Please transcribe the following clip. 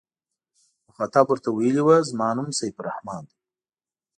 مخاطب ورته ویلي و زما نوم سیف الرحمن دی.